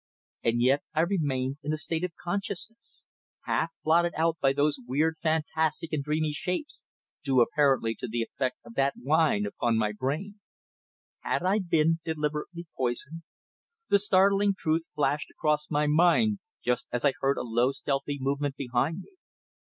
And yet I remained in a state of consciousness, half blotted out by those weird, fantastic and dreamy shapes, due apparently to the effect of that wine upon my brain. Had I been deliberately poisoned? The startling truth flashed across my mind just as I heard a low stealthy movement behind me.